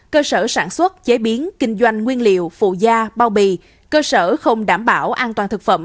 cơ sở sản xuất chế biến kinh doanh nguyên liệu phụ gia bao bì cơ sở không đảm bảo an toàn thực phẩm